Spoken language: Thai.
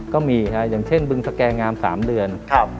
ก็มีอย่างเช่นบึงสแกงาม๓เดือน